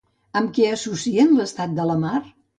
Amb què associen l'estat de la mar?